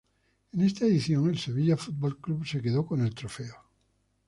En esta edición el Sevilla Fútbol Club se quedó con el trofeo.